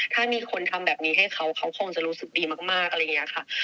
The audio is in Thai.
ถ้ามีคนทำแบบนี้ให้เขาเขาคงจะรู้สึกดีมากอะไรอย่างนี้ค่ะ